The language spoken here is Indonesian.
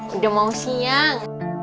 udah mau siang